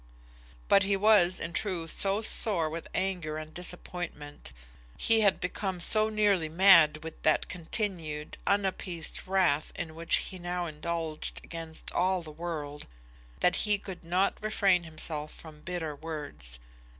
But he was, in truth, so sore with anger and disappointment, he had become so nearly mad with that continued, unappeased wrath in which he now indulged against all the world, that he could not refrain himself from bitter words.